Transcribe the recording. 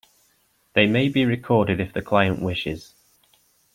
They may be recorded if the client wishes.